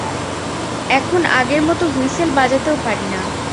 এখন আগের মতো হুইসেল বাজাতেও পারিনা!